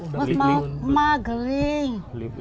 kemudian kemudian kembali ke lima